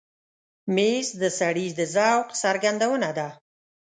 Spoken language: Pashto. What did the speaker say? مېز د سړي د ذوق څرګندونه ده.